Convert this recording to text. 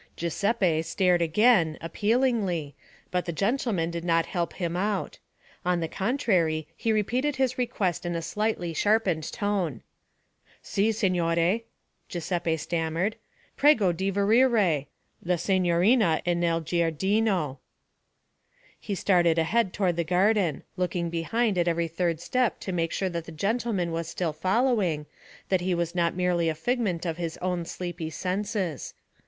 Giuseppe stared again, appealingly, but the gentleman did not help him out; on the contrary he repeated his request in a slightly sharpened tone. 'Si, signore,' Giuseppe stammered. 'Prego di verire. La signorina è nel giardino.' He started ahead toward the garden, looking behind at every third step to make sure that the gentleman was still following, that he was not merely a figment of his own sleepy senses.